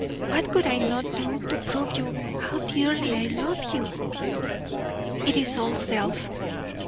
What would I not do to prove how dearly I love you." "It is all self.